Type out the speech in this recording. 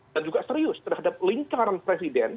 dan juga serius terhadap lingkaran presiden